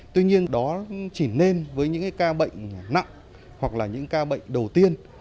tuy nhiên đó chỉ nên với những ca bệnh nặng hoặc là những ca bệnh đầu tiên